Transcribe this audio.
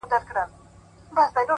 له دغي خاوري مرغان هم ولاړل هجرت کوي ـ